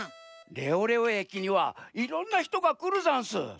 レオレオえきにはいろんなひとがくるざんす。